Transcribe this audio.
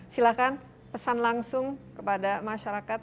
silahkan pesan langsung kepada masyarakat